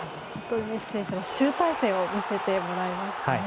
メッシ選手の集大成を見せてもらいましたね。